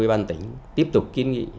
với ban tỉnh tiếp tục kiên nghị